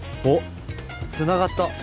おっつながった。